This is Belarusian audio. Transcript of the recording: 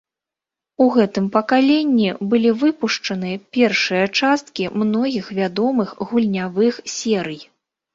У гэтым пакаленні былі выпушчаны першыя часткі многіх вядомых гульнявых серый.